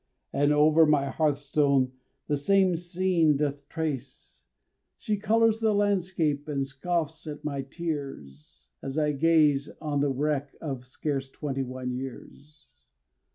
And over my hearthstone the same scene doth trace She colors the landscape and scoffs at my tears, As I gaze on the wreck of scarce twenty one years.